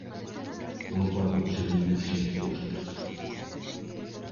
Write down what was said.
Non poden subir os impostos.